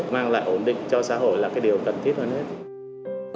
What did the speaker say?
mang lại ổn định cho xã hội là cái điều cần thiết hơn hết